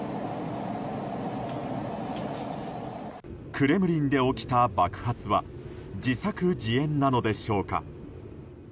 クレムリンで起きた爆発は自作自演なのでしょうか。